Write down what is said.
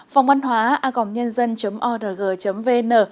phòng văn hóa agomnhân dân org vn